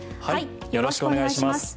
よろしくお願いします。